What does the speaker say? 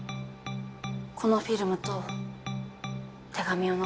このフィルムと手紙を残して。